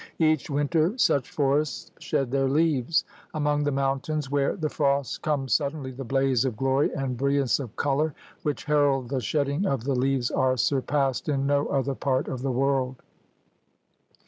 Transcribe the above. Each winter such forests shed their leaves. Among the mountains where the frosts come suddenly, the blaze of glory and brilliance of color which herald the shedding of the leaves are surpassed in no other part of the world.